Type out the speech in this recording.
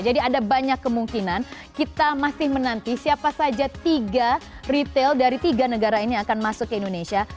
jadi ada banyak kemungkinan kita masih menanti siapa saja tiga retail dari tiga negara ini akan masuk ke indonesia